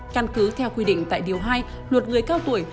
căn cứ theo quy định tại điều hai luật người cao tuổi